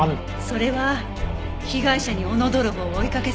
それは被害者に斧泥棒を追いかけさせるため。